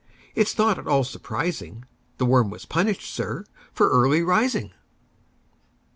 —it 's not at all surprising; The worm was punished, sir, for early rising!"